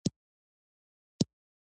مقدسه ډېره ښکلې پټاسه جینۍ ده